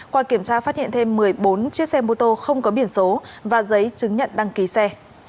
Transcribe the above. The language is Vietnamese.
qua kiểm tra phát hiện thêm một mươi bốn chiếc xe mô tô không có biển số và giấy chứng nhận đăng ký xe